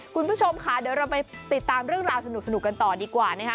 คุณผู้ชมค่ะเดี๋ยวเราไปติดตามเรื่องราวสนุกกันต่อดีกว่านะคะ